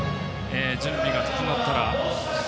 準備が整ったら。